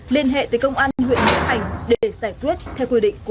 liên hệ tới công an huyện nghĩa hành để giải quyết theo quy định của pháp luật